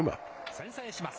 先制します。